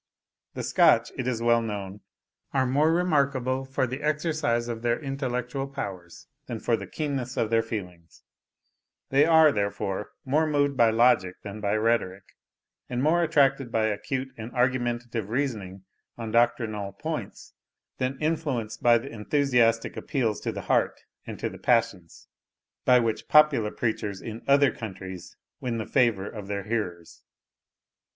The Scotch, it is well known, are more remarkable for the exercise of their intellectual powers, than for the keenness of their feelings; they are, therefore, more moved by logic than by rhetoric, and more attracted by acute and argumentative reasoning on doctrinal points, than influenced by the enthusiastic appeals to the heart and to the passions, by which popular preachers in other countries win the favour of their hearers.